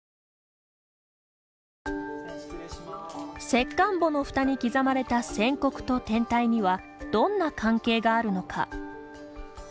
石棺墓のふたに刻まれた線刻と天体には、どんな関係があるのか。